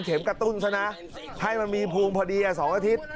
กระตุ้นซะนะให้มันมีภูมิพอดี๒อาทิตย์